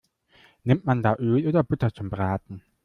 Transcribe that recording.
Nimmt man da Öl oder Butter zum Braten?